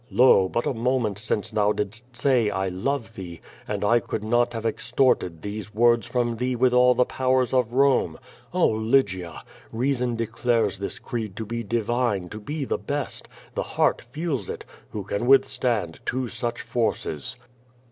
Lo, but a moment since thou didst say ^I love thee/ and I could not have extorted these words from thee with all the powers of Rome. Oh, Lygia! Reason declares this creed to be divine, to be the best. The heart feels it. Who can withstand two such forces?"